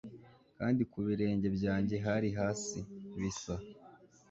kandi ku birenge byanjye hari hasi, bisa